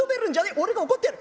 俺が怒ってやる。